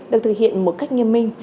được thực hiện một cách nghiêm minh